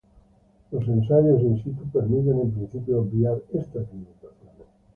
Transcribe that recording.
Los ensayos "in situ" permiten, en principio, obviar estas limitaciones.